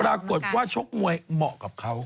ปรากฏว่าชกมวยเหมาะกับเขา